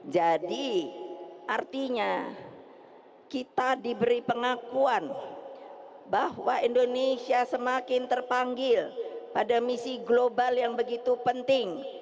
jadi artinya kita diberi pengakuan bahwa indonesia semakin terpanggil pada misi global yang begitu penting